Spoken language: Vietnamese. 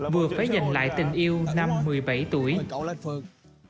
vừa phải giành lại tình yêu